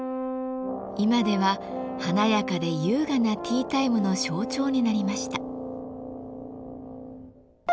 今では華やかで優雅なティータイムの象徴になりました。